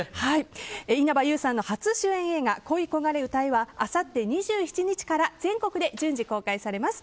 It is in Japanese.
稲葉友さんの初主演映画「恋い焦れ歌え」はあさって２７日から全国で順次公開されます。